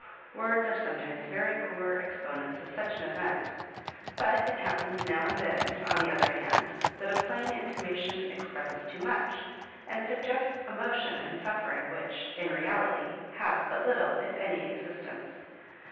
Words are sometimes Y&ry poor exponents of such an event : but It happens now And then, on the other hand, that a plain intimation expresses too much, and suggests emotion and suffering which, in reality, have but little, if any, existence.